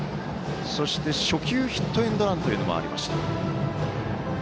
そして初球ヒットエンドランというのもありました。